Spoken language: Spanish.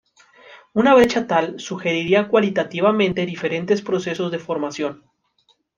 Una brecha tal sugeriría cualitativamente diferentes procesos de formación.